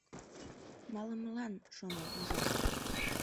Малымылан, — шонем, — ужам.